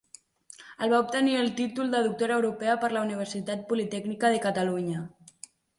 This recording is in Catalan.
El va obtenir el títol de Doctora Europea per la Universitat Politècnica de Catalunya.